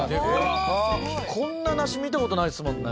こんな梨見た事ないですもんね。